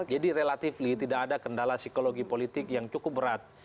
jadi relatif tidak ada kendala psikologi politik yang cukup berat